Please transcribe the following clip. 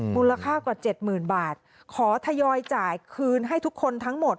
มูลค่ากว่าเจ็ดหมื่นบาทขอทยอยจ่ายคืนให้ทุกคนทั้งหมด